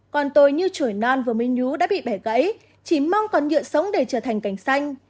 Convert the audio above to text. còn tôi như chuồi non vừa mới nhú đã bị bẻ gãy chỉ mong còn nhựa sống để trở thành cảnh xanh